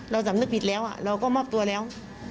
สำนึกผิดแล้วเราก็มอบตัวแล้ว